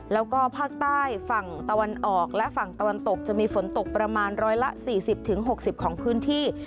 แล้วก็ภาคใต้ฝั่งตะวันออกและฝั่งตะวันตกจะมีฝนตกประมาณ๑๔๐๖๐ของพื้นที่